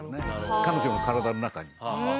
彼女の体の中に。